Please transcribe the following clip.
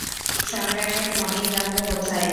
সম্রাটের মমি তাহলে কোথায়?